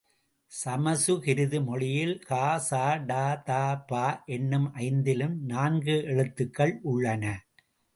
சமசுகிருத மொழியில் க, ச, ட, த, ப, என்னும் ஐந்திலும் நான்கு நான்கு எழுத்துகள் உள்ளன.